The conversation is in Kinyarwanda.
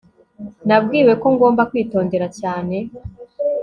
nabwiwe ko ngomba kwitondera cyane